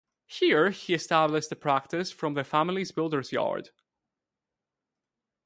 Here he established a practice from the family builders' yard.